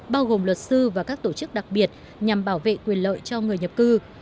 bao gồm luật sư và các tổ chức đặc biệt nhằm bảo vệ quyền lợi cho người nhập cư